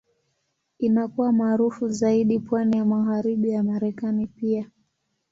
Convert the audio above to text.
Inakuwa maarufu zaidi pwani ya Magharibi ya Marekani pia.